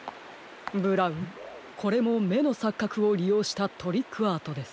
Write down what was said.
ブラウンこれもめのさっかくをりようしたトリックアートです。